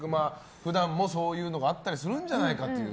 普段もそういうのがあったりすんじゃないかという。